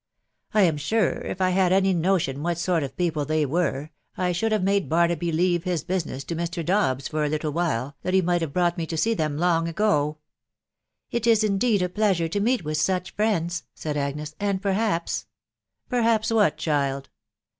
1 am sure, if I had had aary notion what sort of people they were, I should have made Baraaby leave this busi ness to Mr. Dobbs for a little while, thai be raightbasje brought me to see them long agoi" " It is indeed a pleasure to meet with ouch friends/' said Agnes ;" and perhaps ...."" Perhaps what, child